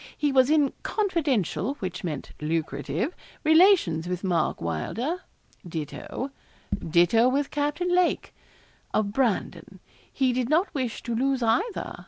He was in confidential which meant lucrative relations with Mark Wylder. Ditto, ditto with Captain Lake, of Brandon. He did not wish to lose either.